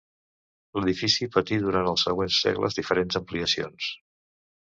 L'edifici patir durant els següents segles diferents ampliacions.